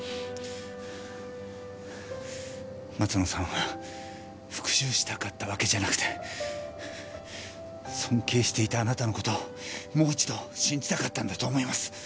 松野さんは復讐したかったわけじゃなくて尊敬していたあなたの事をもう一度信じたかったんだと思います。